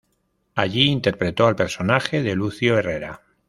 Allí interpretó al personaje de Lucio Herrera.